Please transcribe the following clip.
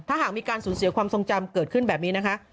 ถ้าหากมีการสูญเสียความทรงจำเกิดขึ้นแบบนี้นะคะ